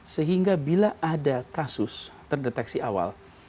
sehingga bila ada kasus terdeteksi awal